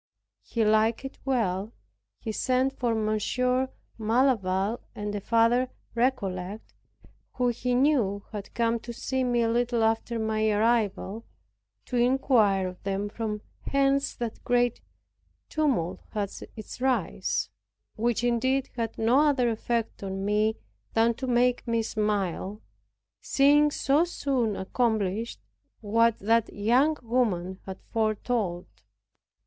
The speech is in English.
He liked it well. He sent for Monsieur Malaval and a father Recollect, who he knew had come to see me a little after my arrival, to inquire of them from whence that great tumult had its rise, which indeed had no other effect on me than to make me smile, seeing so soon accomplished what that young woman had foretold me.